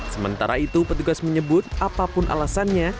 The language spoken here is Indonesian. sementara itu petugas menyebut apapun alasannya